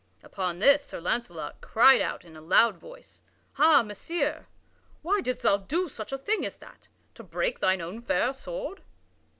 Upon this Sir Launcelot cried out in a loud voice: "Ha, Messire! why didst thou do such a thing as that? To break thine own fair sword?"